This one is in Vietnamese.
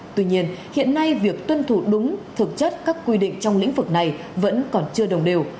tuy nhiên hiện nay việc tuân thủ đúng thực chất các quy định trong lĩnh vực này vẫn còn chưa đồng đều